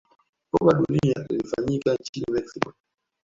kombe la dunia lilifanyika nchini mexico